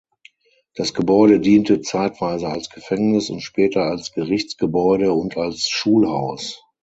Das Gebäude diente zeitweise als Gefängnis und später als Gerichtsgebäude und als Schulhaus.